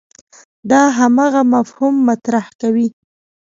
دا همدغه مفهوم مطرح کوي.